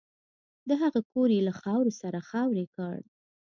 د هغه کور یې له خاورو سره خاورې کړ